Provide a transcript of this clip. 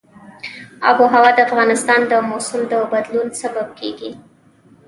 آب وهوا د افغانستان د موسم د بدلون سبب کېږي.